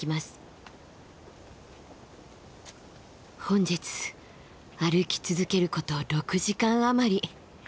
本日歩き続けること６時間余り。